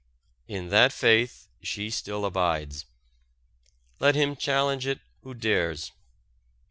In that faith she still abides. Let him challenge it who dares.